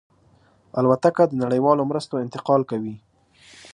الوتکه د نړیوالو مرستو انتقال کوي.